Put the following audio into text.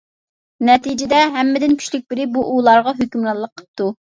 نەتىجىدە، ھەممىدىن كۈچلۈك بىرى بۇ ئۇۋىلارغا ھۆكۈمرانلىق قىپتۇ.